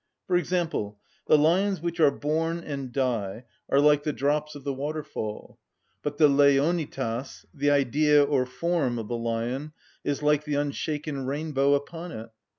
For example, the lions which are born and die are like the drops of the waterfall; but the leonitas, the Idea or form of the lion, is like the unshaken rainbow upon it.